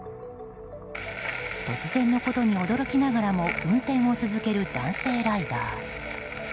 突然のことに驚きながらも運転を続ける男性ライダー。